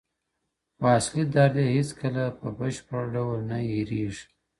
خو اصلي درد يې هېڅکله په بشپړ ډول نه هېرېږي,